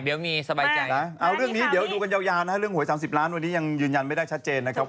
เดี๋ยวมีสบายใจนะเอาเรื่องนี้เดี๋ยวดูกันยาวนะเรื่องหวย๓๐ล้านวันนี้ยังยืนยันไม่ได้ชัดเจนนะครับ